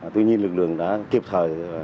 tuy nhiên lực lượng đã kịp thời